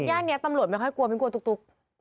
ย่านนี้ตำรวจไม่ค่อยกลัวไม่กลัวตุ๊ก